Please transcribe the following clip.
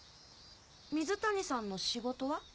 水谷さんの仕事は？